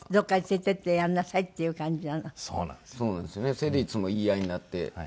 それでいつも言い合いになって。